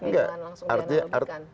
dengan langsung dianalogikan